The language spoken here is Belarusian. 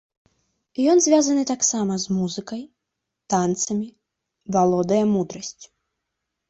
Ён звязаны таксама з музыкай, танцамі, валодае мудрасцю.